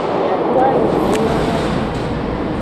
Miatroayi hunun yawodagbe.